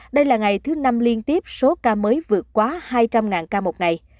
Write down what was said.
đây là ngày thứ năm liên tiếp số ca mới vượt quá hai trăm linh ca một ngày